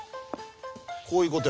こういうことよ。